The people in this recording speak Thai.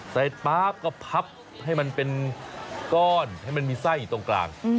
ป๊าบก็พับให้มันเป็นก้อนให้มันมีไส้อยู่ตรงกลาง